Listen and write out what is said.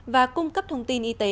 và cung cấp thông tin y tế